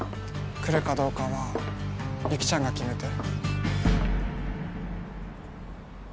来るかどうかは雪ちゃんが決めて。